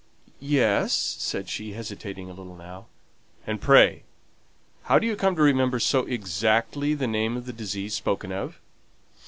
"Yes," said she, hesitating a little now. "And pray how do you come to remember so exactly the name of the disease spoken of?"